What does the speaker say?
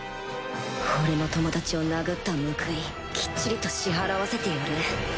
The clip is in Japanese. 俺の友達を殴った報いきっちりと支払わせてやる